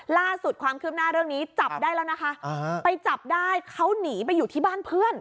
ล่าสุดความคืบหน้าเรื่องนี้จับได้แล้วนะคะไปจับได้เขาหนีไปอยู่ที่บ้านเพื่อน